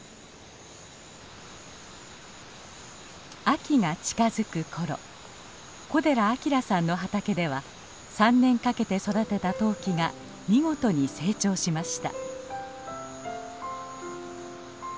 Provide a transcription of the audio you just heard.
秋が近づく頃小寺明さんの畑では３年かけて育てたトウキが見事に成長しました。